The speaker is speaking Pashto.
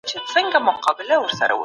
خلګ له سرمایه دارۍ څخه تښتي.